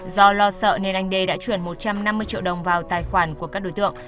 do lo sợ nên anh đê đã chuyển một trăm năm mươi triệu đồng vào tài khoản của các đối tượng